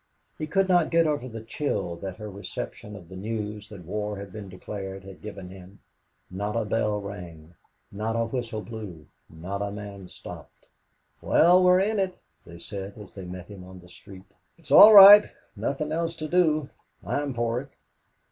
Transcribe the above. He could not get over the chill that her reception of the news that war had been declared had given him not a bell rang, not a whistle blew, not a man stopped work. "Well, we are in it," they said as they met him on the street. "It's all right." "Nothing else to do." "I'm for it."